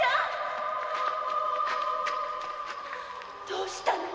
どうしたの！？